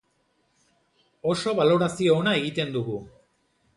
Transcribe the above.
Oso balorazio ona egiten dugu.